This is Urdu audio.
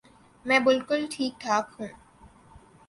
میں بالکل ٹھیک ٹھاک ہوں